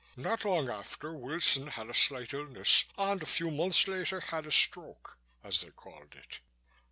Not long after, Wilson had a slight illness and a few months later had a stroke, as they called it.